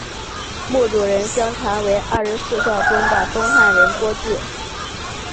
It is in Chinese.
墓主人相传为二十四孝中的东汉人郭巨。